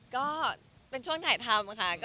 ก็เป็นช่วงถ่ายทำค่ะ